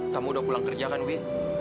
kamu udah pulang kerja kan wi